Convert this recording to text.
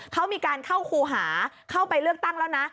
เขามีการเข้าครูหาเข้าไปเลือกตั้งแล้วนะ